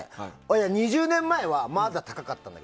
２０年前はまだ高かったのよ。